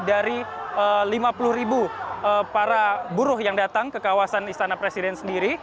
dari lima puluh ribu para buruh yang datang ke kawasan istana presiden sendiri